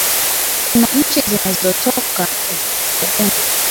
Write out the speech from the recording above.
kuna nchi zimezotoka kuunda